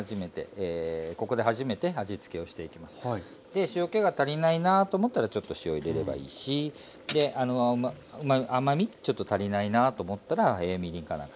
で塩けが足りないなと思ったらちょっと塩を入れればいいしで甘みちょっと足りないなと思ったらみりんか何か足してあげる。